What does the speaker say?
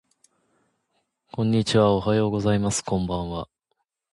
こんにちはおはようございますこんばんは